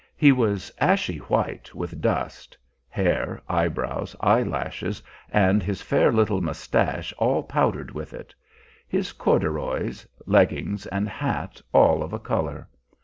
He was ashy white with dust hair, eyebrows, eyelashes, and his fair little mustache all powdered with it; his corduroys, leggings, and hat all of a color.